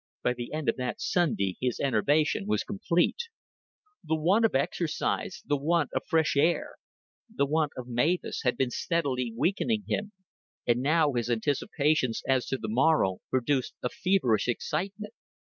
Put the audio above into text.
By the end of that Sunday his enervation was complete. The want of exercise, the want of fresh air, the want of Mavis, had been steadily weakening him, and now his anticipations as to the morrow produced a feverish excitement.